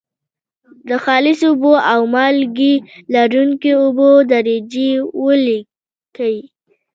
د خالصو اوبو او مالګې لرونکي اوبو درجې ولیکئ.